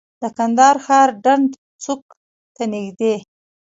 د کندهار ښار ډنډ چوک ته نږدې.